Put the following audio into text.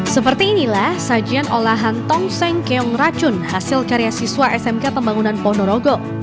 seperti inilah sajian olahan tongseng keong racun hasil karya siswa smk pembangunan ponorogo